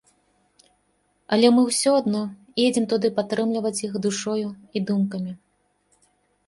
Але мы ўсё адно едзем туды падтрымліваць іх душою і думкамі.